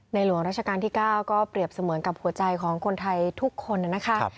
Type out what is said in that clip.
หลวงราชการที่๙ก็เปรียบเสมือนกับหัวใจของคนไทยทุกคนนะคะ